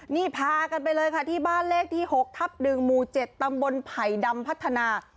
นี่พากันไปเลยค่ะที่บ้านเลขที่๖ทับ๑หมู่๗ตำบลไผ่ดำพัฒนา